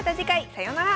さようなら。